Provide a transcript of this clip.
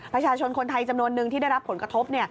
ประชาชนคนไทยจำนวนนึงที่ได้รับผลกระทบ